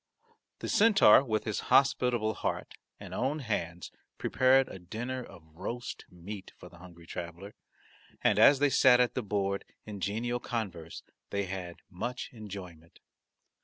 The centaur with his hospitable heart and own hands prepared a dinner of roast meat for the hungry traveller, and as they sat at the board in genial converse they had much enjoyment.